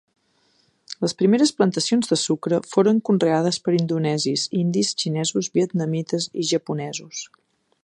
Les primeres plantacions de sucre foren conreades per indonesis, indis, xinesos, vietnamites i japonesos.